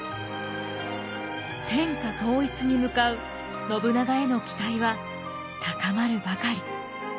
天下統一に向かう信長への期待は高まるばかり。